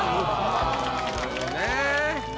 なるほどね。